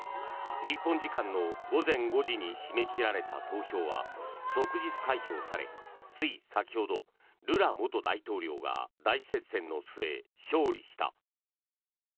日本時間の午前５時に締め切られた投票は即日開票されつい先ほどルラ元大統領が大接戦の末、勝利した。